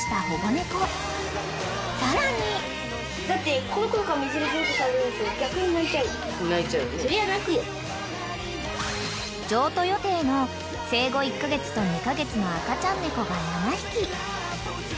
［さらに］［譲渡予定の生後１カ月と２カ月の赤ちゃん猫が７匹］